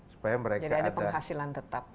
jadi ada penghasilan tetap ya